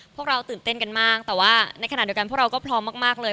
พวกเราตื่นเต้นกันมากแต่ว่าในขณะเดียวกันพวกเราก็พร้อมมากเลย